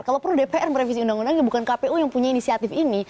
kalau perlu dpr merevisi undang undangnya bukan kpu yang punya inisiatif ini